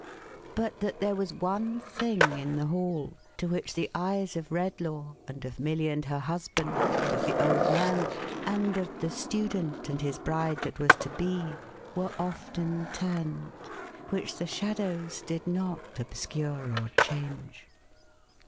But that there was one thing in the Hall, to which the eyes of Redlaw, and of Milly and her husband, and of the old man, and of the student, and his bride that was to be, were often turned, which the shadows did not obscure or change.